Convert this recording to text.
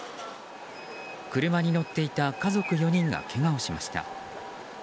車に乗っていた家族４人がけがをしました。